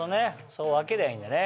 そう分けりゃいいんだね。